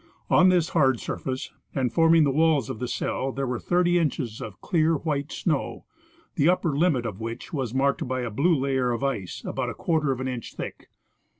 On this hard surface, and forming the walls of the cell, there 'were thirty inches of clear white snow, the upper limit of which was marked by a blue layer of ice about a quarter of an inch thick.